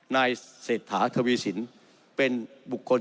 นายเศรษฐาทวีสินเป็นบุคคล